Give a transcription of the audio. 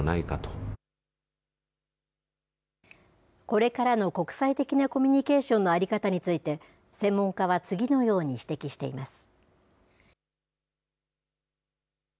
これからの国際的なコミュニケーションの在り方について、専門家は次のように指摘しています。